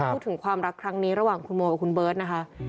พูดถึงความรักครั้งนี้ระหว่างคุณโมกับคุณเบิร์ตนะคะ